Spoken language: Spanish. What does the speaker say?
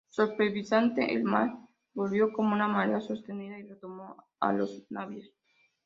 Sorpresivamente el mar volvió como una marea sostenida y retomó a los navíos.